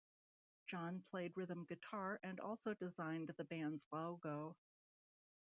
Jon played rhythm guitar and also designed the band's logo.